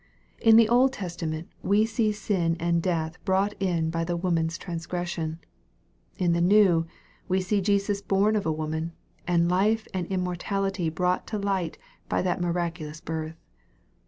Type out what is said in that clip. In the Old Testament, we see sin and death brought in by the woman's transgression. In the New, we see Jesus born of a woman, and life and immortality brought to light by that miraculous birth.